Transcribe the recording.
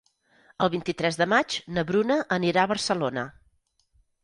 El vint-i-tres de maig na Bruna anirà a Barcelona.